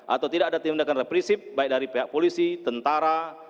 atau tidak ada tindakan reprisip baik dari pihak polisi tentara